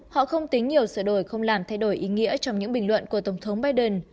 họ không tính nhiều sửa đổi không làm thay đổi ý nghĩa trong những bình luận của tổng thống biden